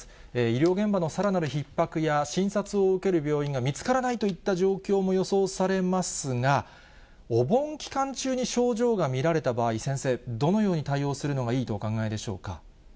医療現場のさらなるひっ迫や、診察を受ける病院が見つからないといった状況も予想されますが、お盆期間中に症状が見られた場合、先生、どのように対応するのがいいとお考えでしょうか。